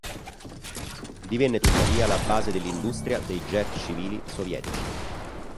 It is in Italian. Divenne tuttavia la base dell'industria dei jet civili sovietici.